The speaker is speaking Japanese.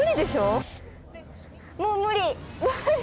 もう無理。